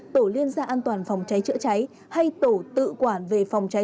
tổ liên gia an toàn phòng cháy chữa cháy hay tổ tự quản về phòng cháy